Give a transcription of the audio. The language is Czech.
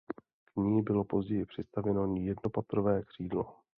K ní bylo později přistavěno jednopatrové křídlo.